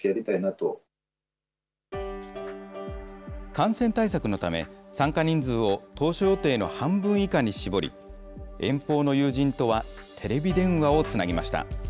感染対策のため、参加人数を当初予定の半分以下に絞り、遠方の友人とはテレビ電話をつなぎました。